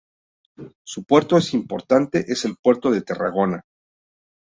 Su puerto más importante es el Puerto de Tarragona.